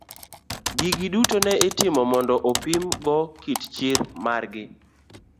Gigi duto ne itimo mondo opim go kit chir mar gi.